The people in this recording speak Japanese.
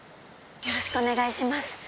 よろしくお願いします。